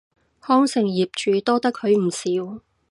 康城業主多得佢唔少